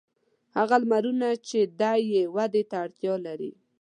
هغه لمرونه چې دی یې ودې ته اړتیا لري.